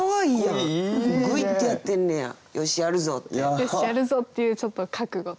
「よしやるぞ！」っていうちょっと覚悟というか。